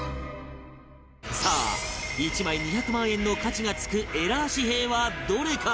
さあ１枚２００万円の価値が付くエラー紙幣はどれか？